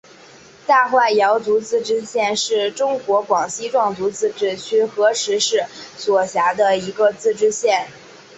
大化瑶族自治县是中国广西壮族自治区河池市所辖的一个自治县。